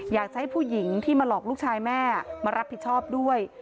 อยากจะให้ผู้หญิงที่มาหลอกลูกชายแม่มารับผิดชอบด้วย